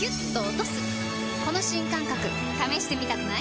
この新感覚試してみたくない？